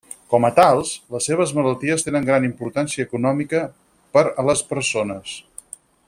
Com a tals, les seves malalties tenen gran importància econòmica per a les persones.